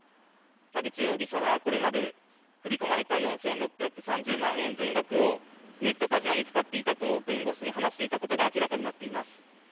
田口容疑者はこれまで振り込まれた４６３０万円全額をネットカジノに使っていたと弁護士に話していたことが明らかになっています。